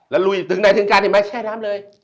แล้วลุยถึงในถึงกาทิมะแช่น้ำเลย